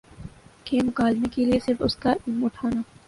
کہ مکالمے کے لیے صرف اس کا علم اٹھانا